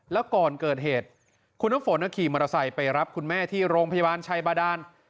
แล้วก่อนเกิดเหตุคุณน้ำฝนขี่มอเตอร์ไซค์ไปรับคุณแม่ที่โรงพยาบาลชัยบาดาน